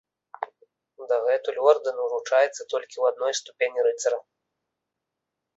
Дагэтуль ордэн уручаецца толькі ў адной ступені рыцара.